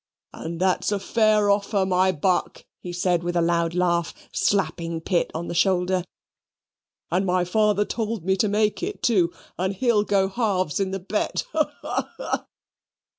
"And that's a fair offer, my buck," he said, with a loud laugh, slapping Pitt on the shoulder, "and my father told me to make it too, and he'll go halves in the bet, ha, ha!"